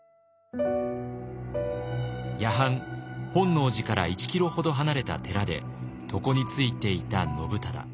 夜半本能寺から１キロほど離れた寺で床に就いていた信忠。